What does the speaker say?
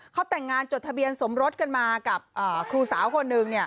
เขาแต่งงานจดทะเบียนสมรสกันมากับครูสาวคนหนึ่ง